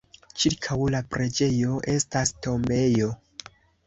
Ĉirkaŭ la preĝejo estas tombejo.